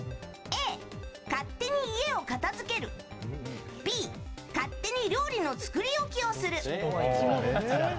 Ａ、勝手に家を片付けるＢ、勝手に料理の作り置きをする。